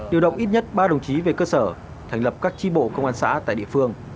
điều động ít nhất ba đồng chí về cơ sở thành lập các tri bộ công an xã tại địa phương